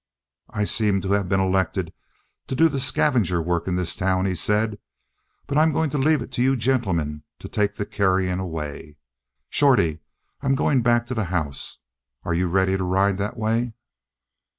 "I seem to have been elected to do the scavenger work in this town," he said. "But I'm going to leave it to you gentlemen to take the carrion away. Shorty, I'm going back to the house. Are you ready to ride that way?"